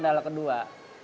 itu adalah kendala kedua